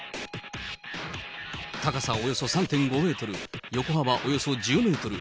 高さおよそ３．５メートル、横幅およそ１０メートル。